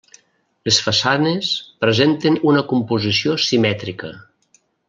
Les façanes presenten una composició simètrica.